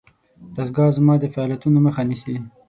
دستګاه زما د فعالیتونو مخه نیسي.